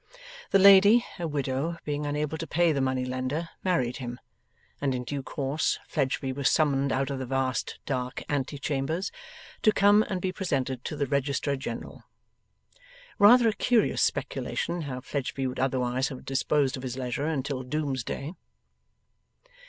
The lady, a widow, being unable to pay the money lender, married him; and in due course, Fledgeby was summoned out of the vast dark ante chambers to come and be presented to the Registrar General. Rather a curious speculation how Fledgeby would otherwise have disposed of his leisure until Doomsday.